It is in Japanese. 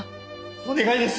お願いです。